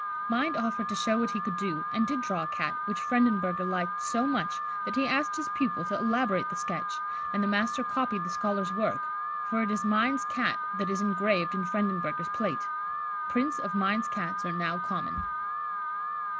Mind offered to show what he could do, and did draw a Cat, which Frendenberger liked so much that he asked his pupil to elaborate the sketch, and the master copied the scholar's work, for it is Mind's Cat that is engraved in Frendenberger's plate. Prints of Mind's Cats are now common.